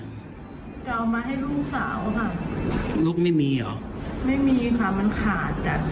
จะเอามาให้ลูกสาวค่ะลูกไม่มีเหรอไม่มีค่ะมันขาดแต่